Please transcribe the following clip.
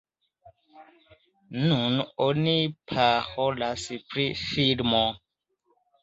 Nun oni parolas pri filmo.